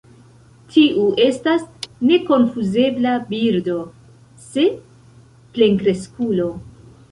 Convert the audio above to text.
Tiu estas nekonfuzebla birdo se plenkreskulo.